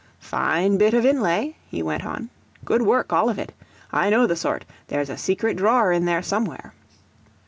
"Fine bit of inlay," he went on: "good work, all of it. I know the sort. There's a secret drawer in there somewhere."